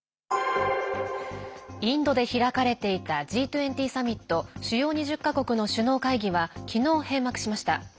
インドで開かれていたＧ２０サミット＝主要２０か国の首脳会議は昨日、閉幕しました。